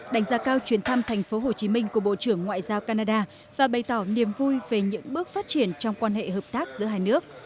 đánh giá cao chuyến thăm tp hcm của bộ trưởng ngoại giao canada và bày tỏ niềm vui về những bước phát triển trong quan hệ hợp tác giữa hai nước